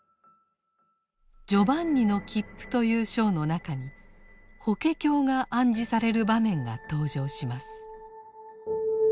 「ジョバンニの切符」という章の中に法華経が暗示される場面が登場します。